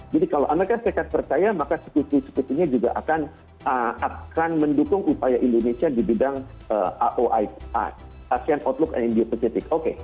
jadi kalau amerika serikat percaya maka sekutu sekutunya juga akan mendukung upaya indonesia di bidang asean outlook and indiopositik oke